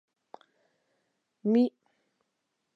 Mi devas estingi la fajron.